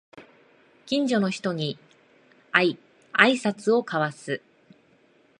近所の人に会いあいさつを交わす